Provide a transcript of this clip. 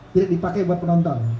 jadi dipakai buat penonton